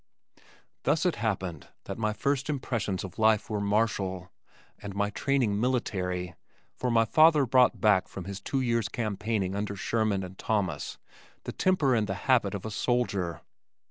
Thus it happened that my first impressions of life were martial, and my training military, for my father brought back from his two years' campaigning under Sherman and Thomas the temper and the habit of a soldier.